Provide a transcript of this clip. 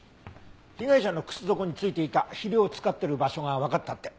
被害者の靴底に付いていた肥料を使ってる場所がわかったって。